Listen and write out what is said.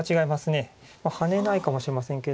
ハネないかもしれませんけど。